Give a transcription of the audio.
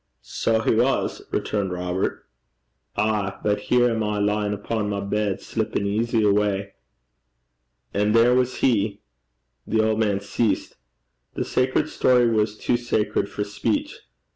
'Sae he was,' returned Robert. 'Ay; but here am I lyin' upo' my bed, slippin' easy awa. An' there was he ' The old man ceased. The sacred story was too sacred for speech.